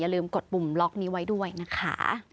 ลืมกดปุ่มล็อกนี้ไว้ด้วยนะคะ